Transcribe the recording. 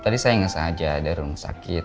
tadi saya ngesel aja ada ruang sakit